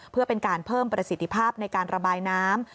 เพื่อเป็นการเพิ่มประสิทธิภาพในการระบายน้ำ